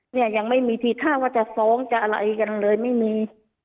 เนี่ยยังไม่มีทีท่าว่าจะฟ้องจะอะไรกันเลยไม่มี